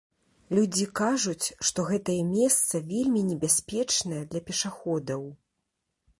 Людзі кажуць, што гэтае месца вельмі небяспечнае для пешаходаў.